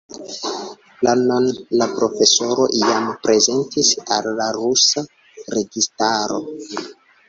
Planon la profesoro jam prezentis al la rusa registaro.